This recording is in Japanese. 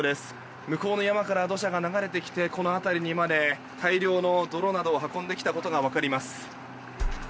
向こうの山から土砂が流れてきてこの辺りにまで大量の泥などを運んできた事がわかります。